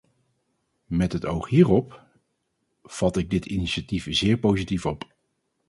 Met het oog hierop, vat ik dit initiatief zeer positief op.